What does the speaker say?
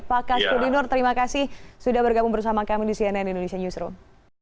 pak kastudi nur terima kasih sudah bergabung bersama kami di cnn indonesia newsroom